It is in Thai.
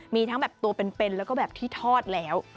มีทั้งแบบตัวเป็นแล้วก็แบบที่ทอดแล้ว